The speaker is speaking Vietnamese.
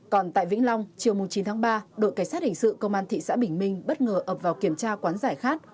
còn tại vĩnh long chiều chín tháng ba đội cảnh sát hình sự công an thị xã bình minh bất ngờ ập vào kiểm tra quán giải khát